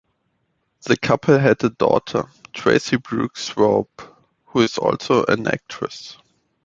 The couple had a daughter, Tracy Brooks Swope, who is also an actress.